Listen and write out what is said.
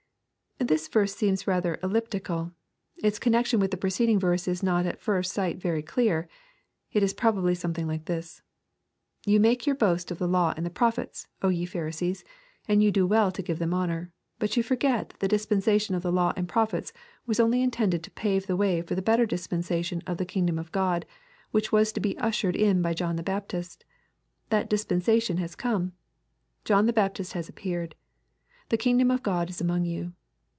\ This verse seems rather elliptical. Its connection with the preceding verse is not at first sight very clear. It is probably something hke this. "You make your boast of the law and the prophets, 0 ye Pharisees, and you do well to give them honor. But you forget that the dispensation of the law and prophets was only in tended to pave the way for the better dispensation of the kingdom of God, which was to be ushered in by John the Baptist. That dispensation has come. John the Baptist has appeared. The kingdom of God is among you.